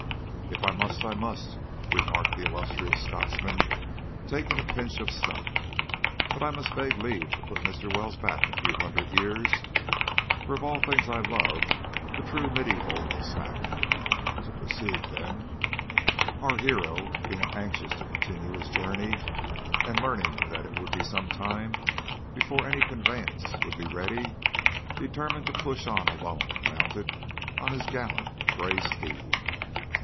"If I must, I must," remarked the illustrious Scotchman, taking a pinch of snuff; "but I must beg leave to put Mr. Wells back a few hundred years, for of all things I love the true mediaeval smack. To proceed then: "Our hero, being anxious to continue his journey, and learning that it would be some time before any conveyance would be ready, determined to push on alone mounted on his gallant grey steed.